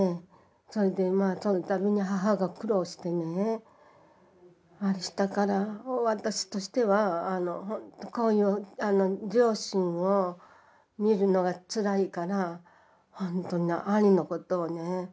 それでそのたびに母が苦労してねあれしたから私としてはこういう両親を見るのがつらいからほんとに兄のことをね